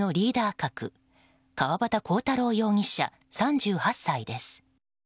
格川端浩太郎容疑者、３８歳です。